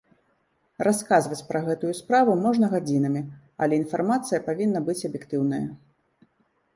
Расказваць пра гэтую справу можна гадзінамі, але інфармацыя павінна быць аб'ектыўная.